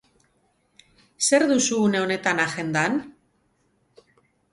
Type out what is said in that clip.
Zer duzu une honetan agendan?